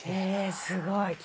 えすごい。